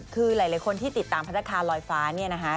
คือหลายคนที่ติดตามพัฒนาคารอยฟ้า